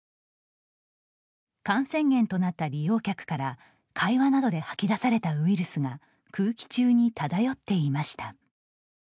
感染源となった利用客から会話などで吐き出されたウイルスが空気中に漂っていました。